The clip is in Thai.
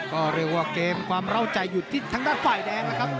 ก็เรียกว่าเกมความเล่าใจอยู่ที่ทางด้านฝ่ายแดงแล้วครับ